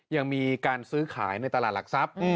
ยังมีการซื้อขายในตลาดหลักทรัพย์